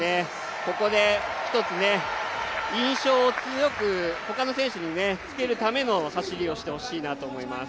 ここで一つ、印象を強く他の選手につけるための走りをしてほしいなと思います。